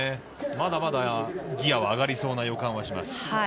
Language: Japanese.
まだまだギヤは上がりそうな予感はします。